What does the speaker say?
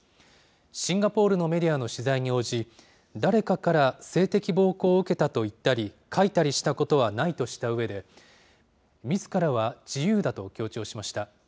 シンガポールのメディアの取材に応じ、誰かから性的暴行を受けたと言ったり、書いたりしたことはないとしたうえで、みずからは自由だと強調しました。